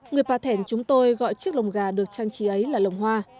người pà thèn chúng tôi gọi chiếc lồng gà được trang trí ấy là lồng hoa